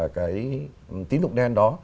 cái tín dụng đen đó